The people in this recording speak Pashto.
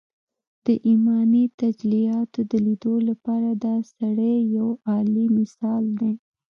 د ايماني تجلياتو د ليدو لپاره دا سړی يو اعلی مثال دی